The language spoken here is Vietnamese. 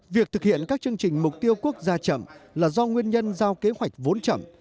việc thực hiện các chương trình mục tiêu quốc gia chậm là do nguyên nhân giao kế hoạch vốn chậm